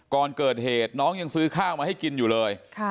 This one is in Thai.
ก่อนเกิดเหตุน้องยังซื้อข้าวมาให้กินอยู่เลย